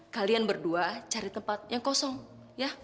kalian berdua cari tempat yang kosong ya